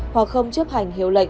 hoặc không chấp hành hiệu lệnh